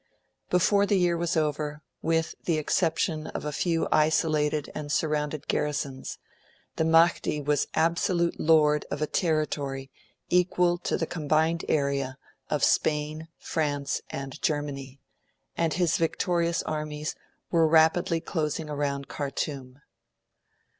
Before the year was over, with the exception of a few isolated and surrounded garrisons, the Mahdi was absolute lord of a territory equal to the combined area of Spain, France, and Germany; and his victorious armies were rapidly closing round Khartoum.